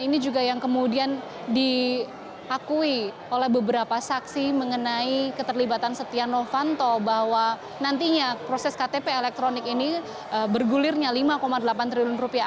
ini juga yang kemudian diakui oleh beberapa saksi mengenai keterlibatan setia novanto bahwa nantinya proses ktp elektronik ini bergulirnya lima delapan triliun rupiah